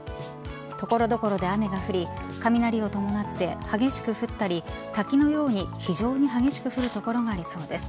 所々で雨が降り雷を伴って激しく降ったり滝のように非常に激しく降る所がありそうです。